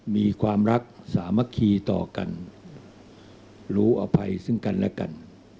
มีความรักสามัคคีต่อกันรู้อภัยซึ่งกันและกัน